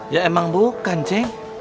ya emang bukan ceng